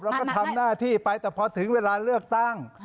เราก็ทำหน้าที่ไปแต่พอถึงเวลาเลือกตั้ง